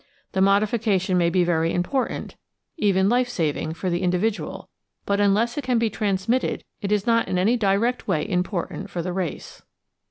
The modification may be very important, even life saving, for the individual, but unless it can be transmitted it is not in any direct way important for the race.